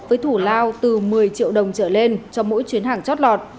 với thủ lao từ một mươi triệu đồng trở lên cho mỗi chuyến hàng chót lọt